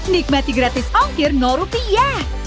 nikmati gratis ongkir rupiah